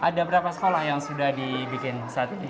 ada berapa sekolah yang sudah dibikin saat ini